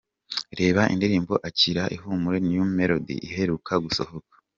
Reba indirimbo ’Akira Ihumure’ New Melody iheruka gusohora.